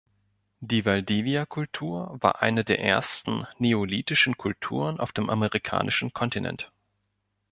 Die Valdivia-Kultur war eine der ersten neolithischen Kulturen auf dem amerikanischen Kontinent.